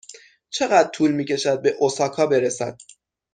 چقدر طول می کشد به اوساکا برسد؟